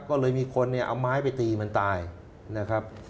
ก็เลยมีคนเนี่ยเอาไม้ไปตีมันตายนะครับ